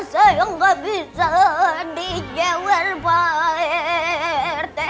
saya gak bisa di jewel barte